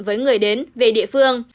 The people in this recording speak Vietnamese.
với người đến về địa phương